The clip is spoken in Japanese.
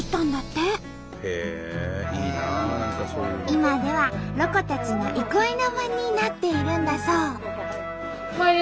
今ではロコたちの憩いの場になっているんだそう。